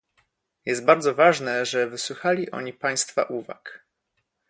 Jest bardzo ważne, że wysłuchali oni Państwa uwag